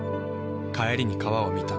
帰りに川を見た。